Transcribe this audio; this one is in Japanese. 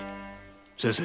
先生。